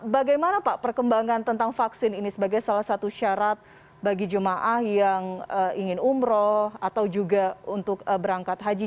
bagaimana pak perkembangan tentang vaksin ini sebagai salah satu syarat bagi jemaah yang ingin umroh atau juga untuk berangkat haji